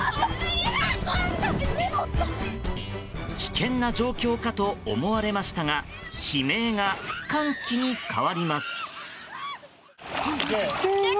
危険な状況かと思われましたが悲鳴が歓喜に変わります。